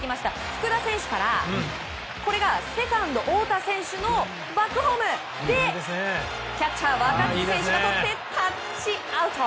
福田選手からセカンド太田選手のバックホームでキャッチャー、若月選手がとってタッチアウト！